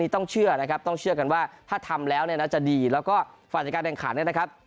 ต้องเชื่อนะครับต้องเชื่อกันว่าถ้าทำแล้วเนี่ยนะจะดีแล้วก็ฝ่ายจัดการแข่งขันเนี่ยนะครับ